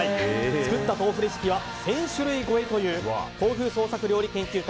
作った豆腐レシピは１０００種類超えという豆腐創作料理研究家